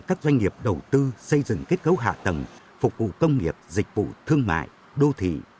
các doanh nghiệp đầu tư xây dựng kết cấu hạ tầng phục vụ công nghiệp dịch vụ thương mại đô thị